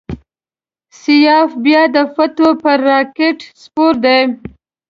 سیاف بیا د فتوی پر راکېټ سپور دی.